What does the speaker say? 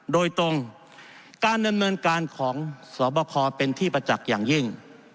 โดยตรงการดำเนินการของสอบคอเป็นที่ประจักษ์อย่างยิ่ง